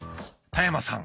田山さん